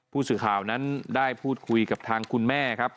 ผู้สื่อข่าวนั้นได้พูดคุยกับทางคุณแม่ครับ